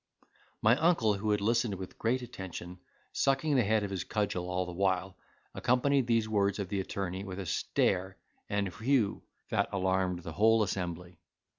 My uncle, who had listened with great attention, sucking the head of his cudgel all the while, accompanied these words of the attorney with a stare, and whew, that alarmed the whole assembly.